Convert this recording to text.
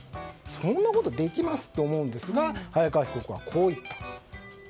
そんなことできます？って思うんですが早川被告はこう言った。